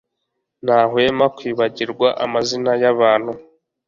Ntahwema kwibagirwa amazina yabantu